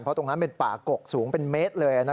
เพราะตรงนั้นเป็นป่ากกสูงเป็นเมตรเลย